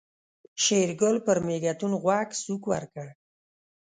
شېرګل پر مېږتون غوږ سوک ورکړ.